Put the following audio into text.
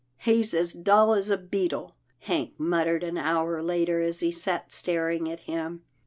" He's as dull as a beetle," Hank muttered an hour later, as he sat staring at him.